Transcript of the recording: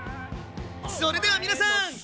それでは皆さん。